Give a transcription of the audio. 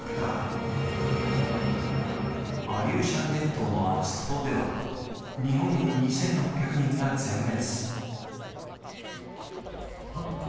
アリューシャン列島のアッツ島では日本軍２，６００人が全滅。